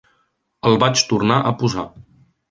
El vaig tornar a posar.